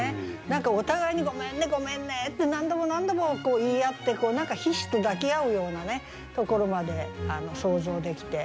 何かお互いに「ごめんね」「ごめんね」って何度も何度も言い合って何かひしと抱き合うようなところまで想像できて。